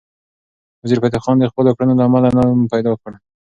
وزیرفتح خان د خپلو کړنو له امله نوم پیدا کړ.